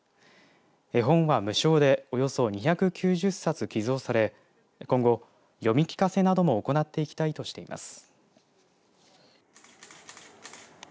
絵本は無償でおよそ２９０冊寄贈され今後、読み聞かせなども行っていきたいとしています。